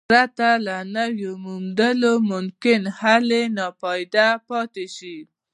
پرته له نویو موندنو ممکن حل یې ناپایده پاتې شي.